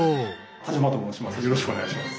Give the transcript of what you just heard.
田島と申します。